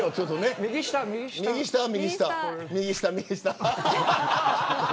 右下は右下。